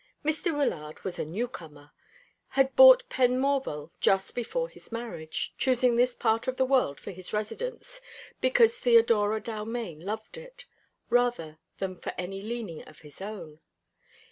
Mr. Wyllard was a new comer, had bought Penmorval just before his marriage choosing this part of the world for his residence because Theodora Dalmaine loved it, rather than for any leaning of his own.